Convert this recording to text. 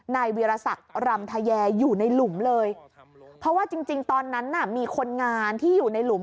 นายวีรศักดิ์รำทะแยอยู่ในหลุมเลยเพราะว่าจริงจริงตอนนั้นน่ะมีคนงานที่อยู่ในหลุม